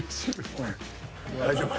大丈夫か？